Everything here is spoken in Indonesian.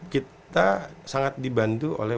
kita sangat dibantu oleh